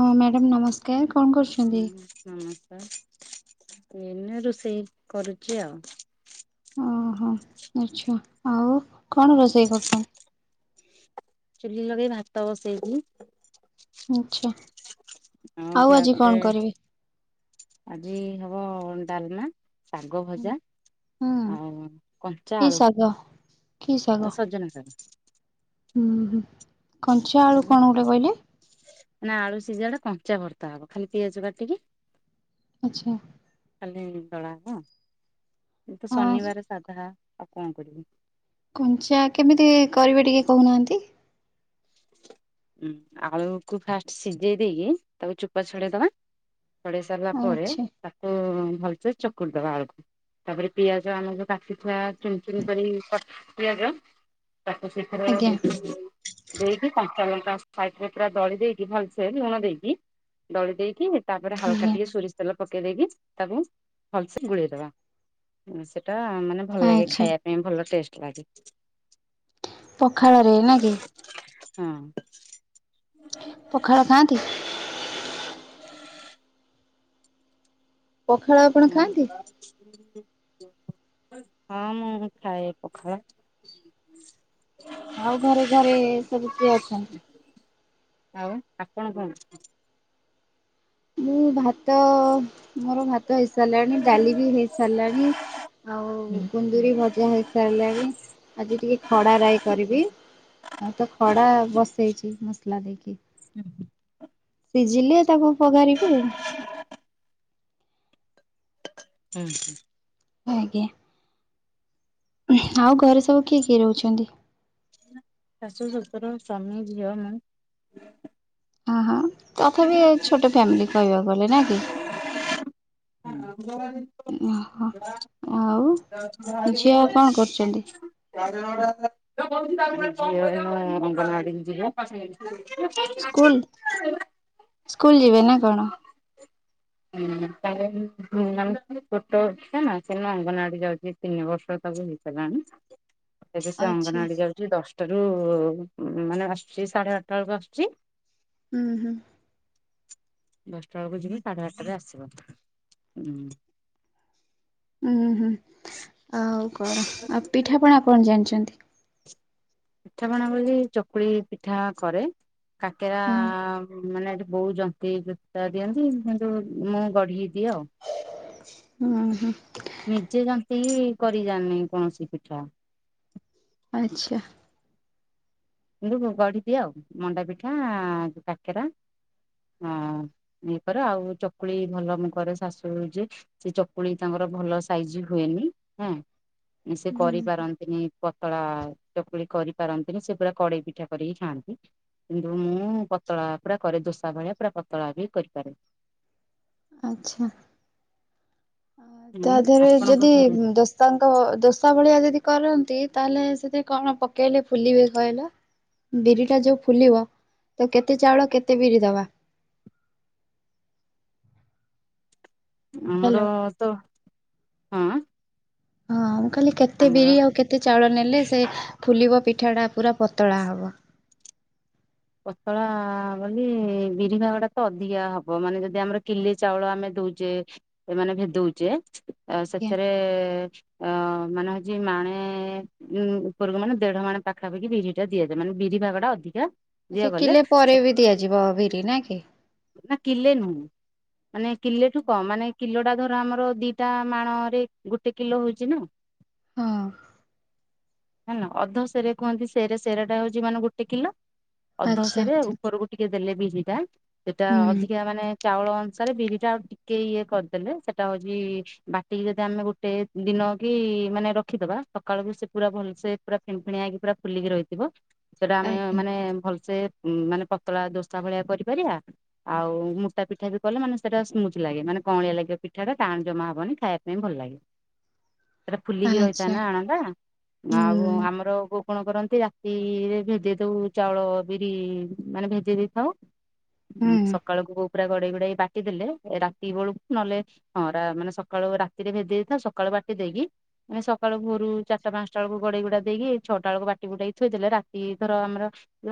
ହଁ ମ୍ୟାଡ଼ାମ ନମସ୍କାର କଣ କରୁଛନ୍ତି? ହୁଁ ହୁଁ। [unintelligible] ଏଇନା ରୋଷେଇ କରୁଛି ଆଉ। ଆଛା ଆଉ କଣ ରୋଷେଇ କରୁଛନ୍ତି? ଚୁଲି ଲଗେଇ ଭାତ ବସେଇଲି। ଆଛା ଆଉ ଆଜି କଣ କରିବେ? ଆଜି ହବ ଡାଲମା। ଶାଗ ଭଜା ହୁଁ ଆଉ କଞ୍ଚା କି ଆଳୁ ଶାଗ ଭତା। କି ଶାଗ ଆଉ ସଜନା ଶାଗ। ହୁଁ ହୁଁ ହୁଁ କଞ୍ଚା ଆଳୁ କଣ ଗୋଟେ କହିଲେ? ମାନ ଆଳୁ ସିଝାଟା କଞ୍ଚା ଭର୍ତ୍ତା ହବ ଖାଲି ପିଆଜ କାଟିକି ଆଚ୍ଛା। କାଲି ଦଳା ହବ ଯେହେତୁ ହଁ ଶନିବାରେ ସାଧା ଆଉ କଣ କରିବି। କଞ୍ଚା କେମିତି କରିବେ ଟିକେ କୋହୁନାହାନ୍ତି। ଉଁ ଆଳୁକୁ ଫାଷ୍ଟ ସିଜେଇ ଦେଇକି ତାକୁ ଚୋପା ଛଡେଇଦବା। ଛଡେଇ ସାରିଲା ପରେ ଆଚ୍ଛା ତାକୁ ଭଲସେ ଚକୁଟିଦବା ଆଳକୁ। ତାପରେ ପିଆଜ ଆମର କାଟିଥୁଆ ଚୁନ ଚୁନ କରି କ ପିଆଜ ତାକୁ ସେଥର ଆଜ୍ଞା [unintelligible] ଦେଇକି କଞ୍ଚା ଲଙ୍କା ସାଇଟରେ ପୁରା ଦଳି ଦେଇକି ଭଲସେ ଲୁଣ ଦେଇକି ଦଳି ଦେଇକି ତାପରେ ହାଲକା ଆଜ୍ଞା। ଟିକେ ଶୋରିଷ୍ ତେଲ ପକେଇ ଦେଇକି ତାକୁ ଭଲସେ ଗୁଳେଇଦବା ଉଁ ସେଟା ମାନେ ଭଲ ଲାଗେ ଆଚ୍ଛା ଖାଇବା ପାଇଁ ଭଲ ଟେଷ୍ଟ ଲାଗେ। ପଖାଳରେ ନା କି? ହଁ। ପୋଖାଳ ଖାଆନ୍ତି? ପଖାଳ ଆପଣ ଖାଆନ୍ତି? ନାଇଁ [inaudible] ହଁ ମୁଁ ଖାଏ ପଖାଳ। ଆଉ ଘରେ ଘରେ ସବୁ କିଏ ଅଛନ୍ତି? ଆଉ ଆପଣ କଣ? ମୁଁ ଭାତ ମୋର ଭାତ ହେଇସାରିଲାଣି ଡାଲି ବି ହେଇ ସାରିଲାଣି ଆଉ କୁ କୁନ୍ଦୁରି ଭଜା ହେଇସାରିଲାଣି ଆଜି ଟିକେ ଖଡ଼ା ରାଇ କରିବି। ଆଉ ତ ଖଡା ବସେଇଚି ମସଲା ଦେଇକି। ଉଁହୁଁ। ସିଝିଲେ ତାକୁ ପଘାରିବି ଆଉ। ହ ହୁଁ ହୁଁ। ଓ ଆଗେ ଆଉ ଘରେ ସବୁ କିଏ କିଏ ରହୁଛନ୍ତି? ଶାଶୁ, ଶ୍ୱଶୁର, ସ୍ଵାମୀ, ଝିଅ, ମୁଁ ଓହଁ ତଥାପି ଛୋଟ ଫ୍ୟାମିଲି କହିବାକୁ ଗଲେ ନା କି? ଅଙ୍ଗନବାଡି ଓହୋ ଆଉ ଝିଅ କଣ କରୁଚନ୍ତି? ମୋ ଝିଅ ଏନା ଅଙ୍ଗନୱାଡ଼ିକୁ ଯିବ। ସ୍କୁଲ [unintelligible] ସ୍କୁଲ ଯିବେ ନା କଣ? ହଁ ତାର ମାନେ ଛୋଟ ଅଛି ନା ସିଏ ଏନା ଅଙ୍ଗନୱାଡି ଯାଉଚି। ତିନି ବର୍ଷ ତାକୁ ହେଇସାଇଲାଣି ଏବେ ସେ ଆଚ୍ଛା ଅଙ୍ଗନୱାଡି ଯାଉ ଦଶଟାରୁ ଉଁ ମାନେ ଆସୁଚି ସାଢେ ଆଠଟା ବେଳକୁ ଆସୁଚି। ଉଁ ହୁଁ। ଦଶଟା ବେଳକୁ ଯିମି ସାଢେ ଆଠଟରେ ଆସିବ ଉଁ। ଉଁ ହୁଁ ଆଉ କଣ ଆଉ ପିଠାପଣା କଣ ଜାଣଚନ୍ତି? ପିଠା ପଣା ବୋଲି ଚକୁଳି ପିଠା କରେ। କାକେରା ହଁ ମାନେ ଏଠି ବୋହୁତ ଜନ୍ତି ଜୁନ୍ତା ଦିଅନ୍ତି କିନ୍ତୁ ମୁଁ ଗଢିକି ଦିଏ ଆଉ। ହୁଁ ହୁଁ। ନିଜେ ଯେନ୍ତିକି କରିଯାଣିନେଇ କୌଣସି ପିଠା। ଆଚ୍ଛା। କିନ୍ତୁ ଗ ଗଢି ଦିଏ ଆଉ ମଣ୍ଡା ପିଠା କାକେରା ହଁ ଏଇପରା ଆଉ ଚକୁଳି ଭଲ ମୁଁ କରେ ଶାଶୁ ଯେ ସେ ଚକୁଳି ତାଙ୍କର ଭଲ ସାଇଜ଼ ହୁଏନି ହଁ। ସେ ହୁଁ କରିପାରନ୍ତିନି ପତଳା ଚକୁଳି କରିପାରନ୍ତିନି ସେପୁରା କଡ଼େଇ ପିଠା କରିକି ଖାଆନ୍ତି। କିନ୍ତୁ ମୁଁ ପତଳା ପୁରା କରେ ଦୋସା ଭଳିଆ ପୁରା ପତଳା ବି କରିପାରେ। ଆଚ୍ଛା। ଆ ତା ହଁ ଦେହରେ ଯଦି ଆପଣଙ୍କ ଘରେ ଦଶ ତାଙ୍କ ଦୋସା ଭଳିଆ ଯଦି କରନ୍ତି ତାହେଲେ ସେଥିରେ କଣ ପକେଇଲେ ଫୁଲିବେ କହିଲ? ବିରି ଟା ଯୋଉ ଫୁଲିବ ତାକୁ କେତେ ଚାଉଳ କେତେ ବିରି ଦବା? ଆମର ହ୍ୟାଲୋ ତ ହଁ। ହଁ ମୁଁ କହିଲି କେତେ ଆମର ବିରି ଆଉ କେ କି ଚାଉଳ ନେଲେ ସେ ଫୁଲିବ ପିଠାଟା ପୁରା ପତଳା ହବ। ପତଳା ବୋଲି ବିରିଭାଗଟା ତ ଅଧିକା ହବ ମାନେ ଯଦି ଆମର କିଲେ ଚାଉଳ ଆମେ ଦଉଚେ। ଏମାନେ ଭେଦଉଚେ ଆ ଆଜ୍ଞା ସେଥିରେ ଅ ମାନେ ହଉଚି ମାଣେ ଉଁ ଉପରକୁ ମାନେ ଦେଢ ମାନେ ପାଖାପାଖି ବିରି ଟା ଦିଆଯାଏ ମାନେ ବିରି ଭାଗଟା ଅଧିକା ଆଛା ଦିଆଗଲେ କିଲେ ସେ ପରେବି ଦିଆଯିବ ବିରି ନା କି। ନା କିିଲେ ନୁହେଁ। ମାନେ କିଲେଠୁ କମ୍ ମାନେ କିଲୋଟା ଧର ଆମର ଦିଟା ମାଣ ରେ ଗୋଟେ କିଲୋ ହଉଚି ନା। ହଁ। ଜାଣିନ ଅଧ ସେରେ କୁହନ୍ତି ସେରେ ସେରା ଟା ହଉଚି ମାନେ ଗୋଟେ କିଲ ଆଚ୍ଛା ଅଧସରେ ଉପରକୁ ଟିକେ ଦେଲେ ବିିରି ଟା ସେଟା ହୁଁ ଅଧିକା ମାନେ ଚାଉଳ ଅନୁସାରେ ବିରି ଟା ଆଉ ଟିକେ ଇଏ କରିଦେଲେ ସେଟା ହଉଚି ବାଟିକି ଯଦି ଆମେ ଗୋଟେ ଦିନ କି ମାନେ ରଖିଦବା ସକାଳୁ ବି ସେ ପୁରା ଭଲସେ ପୁରା ଫେଣି ଫେଣିଆ ହେଇକି ପୁରା ଫୁଲିକି ରହିଥିବ ସେଟା ଆମେ ଆଜ୍ଞା ନେ ଭଲସେ ମାନେ ପତଳା ଦୋସା ଭଳିଆ କରିପାରିବା ଆଉ ମୁଟା ପିଠା ବି କଲେ ମାନେ ସେଟା ସ୍ମୁଥ୍ ଲାଗେ ମାନେ କଅଳିଆ ଲାଗେ ପିଠାଟା ଟାଣେ ଜମା ହବନି ଖାଇବା ପାଇଁ ଭଲ ଲାଗେ। [inaudible] ସେଟା ଫୁଲିକି ରହିଥାଏ ଆଚ୍ଛା ନା ଆଣଟା ଆଉ ହୁଁ ଆମର ଗୋ କଣ କରନ୍ତି ରାତିରେ ଭେଦେଇଦଉ ଚାଉଳ ବିରି ମାନେ ଭେଦେଇ ଦେଇଥାଉ ଉ ହୁଁ ସକାଳକୁ ବୋଉ ପୁରା ଗଡ଼େଇ ଗୁଡ଼ାଇ ବାଟିଦେଲେ ରାତି ବେଳକୁ ନହେଲେ ହଁ ରା ମାନେ ସକାଳୁ ରାତିରେ ଭେଦେଇ ଦେଇଥାଉ ସକାଳୁ ବାଟି ଦେଇକି ମାନେ ସକାଳୁ ଭୋରୁ ଚାରିଟା ପାଞ୍ଚଟା ବେଳକୁ ଗଡ଼େଇ ଗୁଡ଼ା ଦେଇକି ଛଅଟା ବେଳକୁ ବାଟି ବୁଟାକି ଥୋଇ ଦେଲେ ରାତି ଧର ଆମର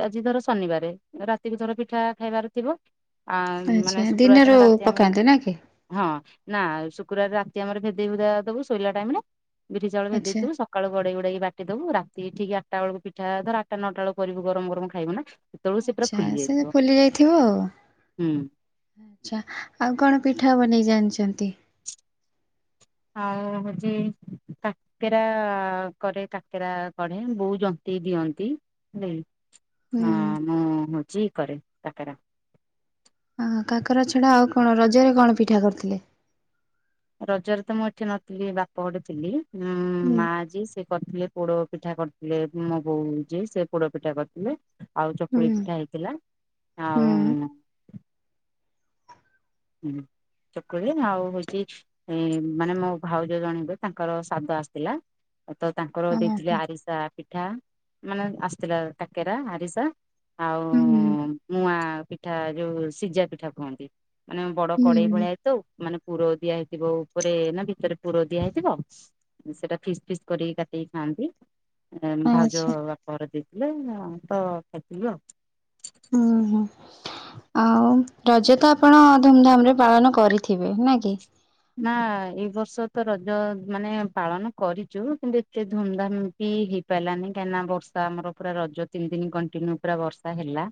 ଆଜି ଧର ଶନିବାରେ ରାତିକୁ ଧର ପିଠା ଖାଇବାର ଥିବ ଆ ମାନେ ଆଛା ଶୁକ୍ରବାର ଦିନ ଦିନରୁ ରାତି ଆମେ ପକାନ୍ତି ନା କି? ହଁ ନା ଶୁକ୍ରବାରେ ରାତି ଆମର ଭେଦେଇ ଭୁଦାଦବୁ ଶୋଇଲା ଟାଇମ୍ ରେ ବିରି ଚାଉଳ ଆଚ୍ଛା। ଭେଦେଇଥିବୁ ସ ସକାଳୁ ଗଡ଼େଇ ଗୁଡ଼ାଇକି ବାଟିଦବୁ ରାତି ଠିକ୍ ଆଠଟା ବେଳକୁ ପିଠା ଧର ଆଠଟା ନଟା ବେଳକୁ କରିବୁ ଗରମ ଗରମ ଖାଇବୁ ନା। ସେତେବେଳକୁ ସେ ପୁରା ଆଚ୍ଛା ଫୁଲି ସେ ଯାଇଥିବ ଫୁଲି ଯାଇଥିବ ଆଉ। ହୁଁ ଆଚ୍ଛା ଆଉ କଣ ପିଠା ବନେଇ ଜାଣିଚନ୍ତି? ଆଉ ହଉଚି କା କାକେରା କରେ କାକେରା ଗଢ଼େ ବୋଉ ଜନ୍ତି ଦିଅନ୍ତି ହେଲାକି। ହୁଁ ହଁ ମୁଁ ହୋଉଚି କରେ କାକେରା। ହଁ କାକେରା ଛଡ଼ା ଆଉ କଣ ରଜରେ କଣ ପିଠା କରିଥିଲେ? ରଜରେ ତ ମୁଁ ଏଠି ନଥିଲି ବାପ ଘରେ ଥିଲି ହୁଁ ମା ଯି ସେ କରିଥିଲେ ପୋଡ଼ ପିଠା କରିଥିଲେ ମୋ ବୋଉ ଯିଏ ସେ ପୋଡ଼ ପିଠା କରିଥିଲେ। ଆଉ ହୁଁ ଚକୁଳି ପିଠା ହେଇଥିଲା ହୁଁ ଆଉ ହୁଁ ଚକୁଳି ଆଉ ହଉଚି ଏ ମାନେ ମୋ ଭାଉଜ ଜଣେ ହେବେ ତାଙ୍କର ସାଦ ଆସିଥିଲା। ତ ତାଙ୍କର ଓହୋ ଦେଇଥିଲେ ଆରିସା ପିଠା, ମାନେ ଆସିଥିଲା କାକେରା ଆରିସା ହୁଁ ଆଉ ମୁଆଁ ପିଠା ଯୋଉ ସିଝା ପିଠା କୁହନ୍ତି। ମାନେ ବଡ ହୁଁ କଡେଇ ଭଳିଆ ହେଇଥାଉ, ମାନେ ପୁର ଦିଆ ହେଇଥିବ ଉପରେ ନା ଭିତେରେ ପୁର ଦିଆ ହେଇଥିବ। ସେଟା ଫିସ୍-ଫିସ୍ କରିକି କାଟିକି ଖାଆନ୍ତି। ଭାଉଜ ଆଚ୍ଛା ବାପଘର ଦେଇଥିଲେ ତ ଖାଇଥିଲୁ ଆଉ। [unintelligible] ଆଉ ରଜ ତ ଆପଣ ଧୁମଧାମ୍ ରେ ପାଳନ କରିଥିବେ ନା କି? ନା ଏଇ ବର୍ଷ ତ ରଜ ମାନେ ପାଳନ କରିଚୁ କିନ୍ତୁ ଏତେ ଧୁମଧାମ୍ କି ହେଇ ପାରିଲାନି କାହିଁକିନା ବର୍ଷା ଆମର ପୁରା ରଜ ତିନି ଦିନ କଣ୍ଟିନ୍ୟୁ ପୁରା ବର୍ଷା ହେଲା।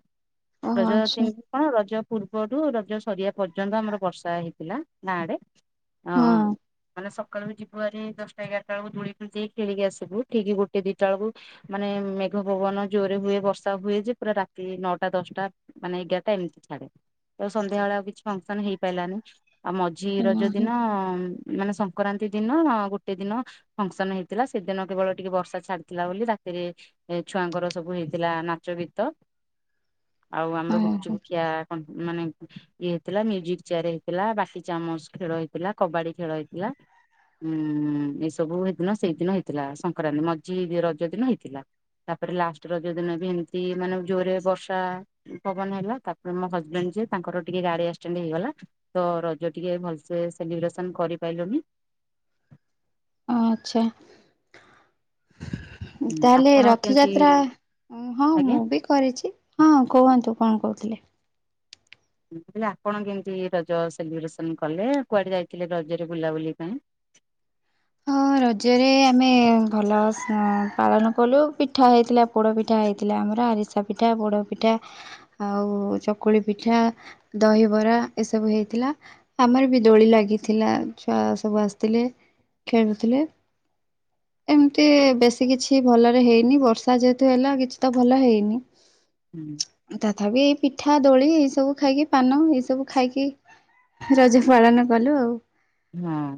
ଓହୋ ରଜ ଆଚ୍ଛା ତିନ୍ କଣ ରଜ ପୂର୍ବରୁୁ ରଜ ସରିବା ପର୍ଯ୍ୟନ୍ତ ଆମର ବର୍ଷା ହେଇଥିଲା ଗାଁ ଆଡେ। ହଁ ମାନେ ସ ସକାଳୁ ଯିବ ହାରି ଦଶଟା ଏଗାରଟା ବେଳୁକୁ [unintelligible] ଆସିବୁ ଠିକ ଗୋଟେ ଦିଟା ବେଳୁକୁ ମାନେ ମେଘ ପବନ ଜୋରେ ହୁଏ ବର୍ଷା ହୁଏ ଯେ ପୁରା ରାତି ନଅଟା ଦଶଟା। ମାନେ ଏଗାରଟା ଏମିତି ଛାଡେ, ତ ସନ୍ଧ୍ୟାବେଳେ ଆଉ କିଛି ଫଙ୍କସନ ହେଇପାରିଲାନି ଆଉ ମଝି ର ଓହୋ ହଁ ମାନେ ସଙ୍କରାନ୍ତି ଦିନ ଗୋଟେ ଦିନ ଫଙ୍କସନ ହେଇଥିଲା ସେଦିନ କେବଳ ଟିକେ ବର୍ଷା ଛାଡିଥିଲା ବୋଲି ରାତିରେ ଏ ଛୁଆଙ୍କର ସବୁ ହେଇଥିଲା ନାଚ ଗୀତ ଆଉ ଆମର ଗୁପଚୁପ ଓହୋ ଖିଆ ମାନେ ଇଏ ହେଇଥିଲା ମ୍ୟୁଜିକ୍ ଚେୟାର ହେଇଥିଲା ବାଟି ଚାମଚ୍ ଖେଳ ହେଇଥିଲା କବାଡି ଖେଳ ହେଇଥିଲା। ହୁଁ ଏଇ ସବୁ ହେଇଥିଲା ସେଇଦିନ ହେଇଥିଲା ସଂକ୍ରାନ୍ତି ମଝି ରଜ ଦିନ ହେଇଥିଲା। ତାପରେ ଲାଷ୍ଟ ରଜ ଦିନ ବି ଏମ୍ତି ମାନେ ଜୋରରେ ବର୍ଷା। ପବନ ହେଲା ତାପରେ ମୋ ହଜବେଣ୍ଡ ଯିଏ ତାଙ୍କର ଟିକେ ଗାଡି ଆକ୍ସିଡେଣ୍ଟ ହେଇଗଲା ତ ରଜ ଟିକେ ସେ ସେଲିବ୍ରେସନ୍ କରିପାଇଲୁନି। ଆଛା। ତାହେଲେ ଆପଣ କେମିତି ରଥଯାତ୍ରା ହଁ ଆଜ୍ଞା ମୁଁ ବି କରିଚି ହଁ କୁହନ୍ତୁ କଣ କହୁଥିଲେ। [unintelligible] ଆପଣ କେମିତି ରଜ ସେଲିବ୍ରେସନ୍ କଲେ, କୁଆଡେ ଯାଇଥିଲେ ରଜରେ ବୁଲାବୁଲି ପାଇଁ? ହଁ ରଜରେ ଆମେ ଭଲ ପାଳନ କଲୁ ପିଠା ହେଇଥିଲା। ପୋଡ଼ ପିଠା ହେଇଥିଲା ଆମର ଆରିସା ପିଠା ପୋଡ଼ ପିଠା ଆଉ ଚକୁଳି ପିଠା, ଦହିବରା ଏସବୁ ହେଇଥିଲା। ଆମର ବି ଦୋଳି ଲାଗିଥିଲା ଛୁଆ ସବୁ ଆସିଥିଲେ। ଖେଳୁଥିଲେ। ଏମ୍ତି ବେଶୀ କିଛି ଭଲରେ ହେଇନି, ବର୍ଷା ଯେହେତୁ ହେଲା କିଛି ତ ଭଲ ହେଇନି। ହୁଁ ତଥାପି ଏଇ ପିଠା ଦୋଳି ଏଇ ସବୁ ଖାଇକି ପାନ ଏଇ ସବୁ ଖାଇକି ରଜ ପାଳନ କଲୁ ଆଉ। ହଁ।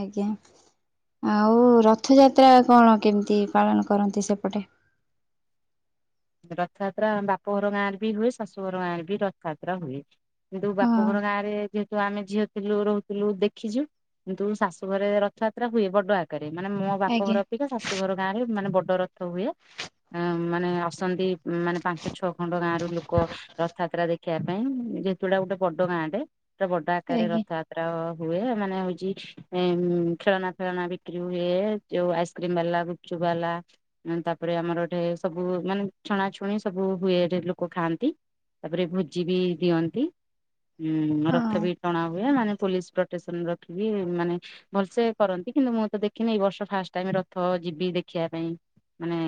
ଆଜ୍ଞା ଆଉ ରଥଯାତ୍ରା କଣ କେମିତି ପାଳନ କରନ୍ତି ସେପଟେ? ରଥଯାତ୍ରା ଆମ ବାପଘର ଗାଁରେ ବି ହୁଏ ଶାଶୁଘର ଗାଁରେ ବି ରଥଯାତ୍ରା ହୁଏ। କିନ୍ତୁ ହଁ ବାପଘର ଗାଁ ରେ ଯେହେତୁ ଆମେ ଝିଅ ଥିଲୁ ରହୁଥିଲୁ ଦେଖିଚୁ କିନ୍ତୁ ଶାଶୁଘରେ ରଥଯାତ୍ରା ହୁଏ ବଡ ଆକାରରେ ମାନେ ମୋ ଆଜ୍ଞା ବାପଘର ଅପେକ୍ଷା ଶାଶୁଘର ଗାଁରେ ମାନେ ବଡ ରଥ ହୁଏ ମାନେ ଆସନ୍ତି ମାନେ ପାଞ୍ଚ ଛଅ ଖଣ୍ଡ ଗାଁରୁ ଲୋକ ରଥଯାତ୍ରା ଦେଖିବା ପାଇଁ, ଯେହେତୁୁ ଏଇଟା ଗୋଟେ ବଡ ଗାଁଟେ। ପୁରା ବଡ ଆକାରରେ ଆଜ୍ଞା ରଥଯାତ୍ରା ହୁଏ ମାନେ ହଉଚି ଖେଳନା ଫେଳନା ବିକ୍ରି ହୁଏ, ଯୋଉ ଆଇସ୍କ୍ରିମ ବାଲା ଗୁପଚୁପ୍ ବାଲା ତାପରେ ଆମର ଏଠେ ସବୁ ମାନେ ଛଣା ଛୁଣି ସବୁ ହୁଏରେ ଲୋକ ଖାଆନ୍ତି ତାପରେ ଭୋଜି ବି ଦିଅନ୍ତି। ହୁଁ ରଥ ହଁ ବି ଟଣା ହୁଏ ମାନେ ପୋଲିସ ପ୍ରୋଟେକ୍ସନ ରଖିକି ମାନେ ଭଲସେ କରନ୍ତି କିନ୍ତୁ ମୁଁ ତ ଦେଖିନି ଏଇ ବର୍ଷ ଫାଷ୍ଟ ଟାଇମ ରଥ ଯିବି ଦେଖିବା ପାଇଁ। ମାନେ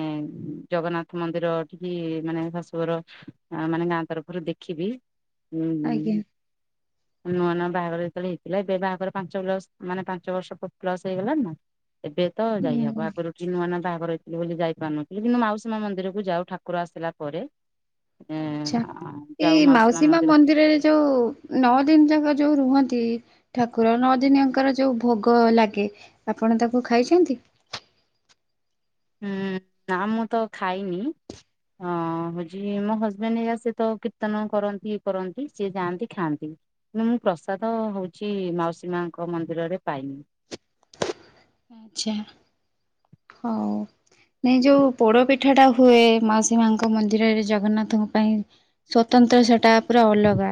ଜଗନ୍ନାଥ ମନ୍ଦିର ଯିବି ମାନେ ଶାଶୁର ମାନେ ଗାଁ ତରଫରୁ ଦେଖିବି ଉଁ ହ [inaudible] ନୂଆ ନୂଆ ବାହାଘର ଯେତେବେଳେ ହେଇଥିଲା ଏବେ ବାହାଘର ପାଞ୍ଚ ପ୍ଲସ ମାନେ ପାଞ୍ଚ ବର୍ଷ ପ୍ଲସ୍ ହେଇଗଲାଣି ନା। ଏବେ ତ ହୁଁ ଯାଇହବ ଆଗରୁ କି ନୂଆ ନୂଆ ବାହାଘର ଥିଲିବୋଲି ଯାଇପାରୁନଥିଲି କିନ୍ତୁ ମାଉସୀମା ମନ୍ଦିରକୁ ଯାଉ ଠା କ୍ରସ ଥିଲା ପରେ। ଏଁ ଆଛା ଏଇ ମାଉସୀ ମା ମନ୍ଦିରରେ ଯୋଉ ନଅ ଦିନ ଯାକ ଯୋଉ ରୁହନ୍ତି। ଠାକୁର ନଅ ଦିନୀ ଯାଙ୍କର ଯୋଉ ଭୋଗ ଲାଗେ ଆପଣ ତାକୁ ଖାଇଛନ୍ତି। ହୁଁ ନା ମୁଁ ତ ଖାଇନି। ଅଁ ହଉଛି ମୋ ହଜବେଣ୍ଟ ଏଇଆ ସେ ତ କୀର୍ତ୍ତନ କରନ୍ତି ଇଏ କରନ୍ତି ସିଏ ଯାଆନ୍ତି ଖାଆନ୍ତି। ମୁଁ ପ୍ରସାଦ ହଉଛି ମାଉସୀ ମାଙ୍କ ମନ୍ଦିରରେ ପାଇନି। ଆଛା ହଉ। ନାଇଁ ଯୋଉ ପୋଡ ପିଠା ଟା ହୁଏ ମାଉସୀ ମାଙ୍କ ମନ୍ଦିରରେ ଜଗନ୍ନାଥଙ୍କ ପାଇଁ। ସ୍ଵତନ୍ତ୍ର ସେଟା ପୁରା ଅଲଗା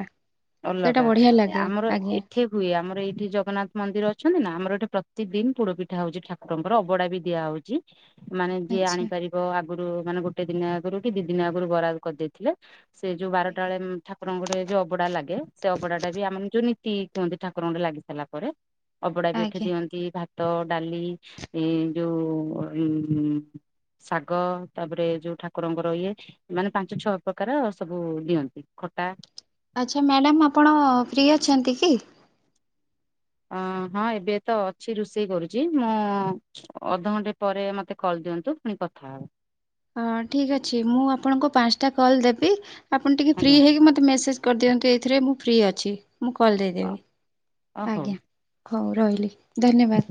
ଅଲଗା। ସେଇଟା ବଢିଆ ଲାଗେ ଆମର ଆଜ୍ଞା। ଏଠି ହୁଏ ଆମର ଏଇଠି ଜଗନ୍ନାଥ ମନ୍ଦିର ଅଛନ୍ତି ନା ଆମର ଏଠି ପ୍ରତିକ ଦିନ ପୋଡ଼ ପିଠା ହଉଛି ଠାକୁ [inaudible] ଅଭଡ଼ା ବି ଦିଆ ହଉଛି। ମାନେ ଯିଏ ଆଚ୍ଛା ଆଣିପାରିବ ଆଗରୁ ମାନେ ଗୋଟେ ଦିନ ଆଗରୁ କି ଦି ଦିନ ଆଗରୁ ବରାଦ କରିଦେଇଥିଲେ। ସେ ଯୋଉ ବାରଟା ଆଜ୍ଞା। ବେଳେ ଠାକୁରଙ୍କ ଗୋଟେ ଯୋଉ ଅଭଡ଼ା ଲାଗେ। ସେ ଅଭଡାଟା ବି ଆମ ଯୋଉ ନୀତି କୁହନ୍ତି ଠାକୁରଙ୍କଠୀ ଲାଗି ସାରିଲା ପରେ। ଅବଡା ବି ଏଠି ଆଜ୍ଞା ଦିଅନ୍ତି ଭା ଭାତ ଡାଲି ଇଁ ଯୋଉ ଉଁ ଶାଗ ତାପରେ ଯୋଉ ଠାକୁରଙ୍କର ଇଏ ମାନେ ପାଞ୍ଚ ଛଅ ପ୍ରକାର ସବୁ ଦିଅନ୍ତି ଖଟା। ଆଚ୍ଛା ମ୍ୟାଡ଼ାମ୍ ଆପଣ ଫ୍ରି ଅଛନ୍ତି କି? ଅଁ ହଁ ଏବେ ତ ଅଛି ରୋଷେଇ କରୁଛି ମୁଁ ଅଧଘଣ୍ଟେ ପରେ ମତେ କଲ ଦିଅନ୍ତୁ ପୁଣି କଥା ହବା। ହଁ ଠିକ୍ ଅଛି ମୁଁ ଆପଣଙ୍କୁ ପାଞ୍ଚଟା କଲ୍ ଦେବି ଆପଣ ଟିକିଏ ଫ୍ରି ଆଜ୍ଞା ହେଇକି ମତେ ମେସେଜ୍ କରିଦିଅନ୍ତୁ ଏଇଥିରେ ମୁଁ ଫ୍ରି ଅଛି ମୁଁ କଲ ଦେଇଦେବି ଅ ହଉ। ଆଜ୍ଞା। ହଉ ରହିଲି ଧନ୍ୟବାଦ।